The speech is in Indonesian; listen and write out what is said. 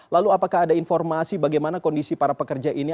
lalu apakah ada informasi bagaimana kondisi para pekerja ini